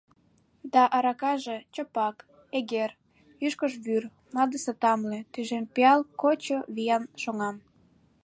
Да аракаже — чопак, эгер, «ӱшкыж вӱр», мадысе тамле, «тӱжем пиал», кочо, виян, шоҥан...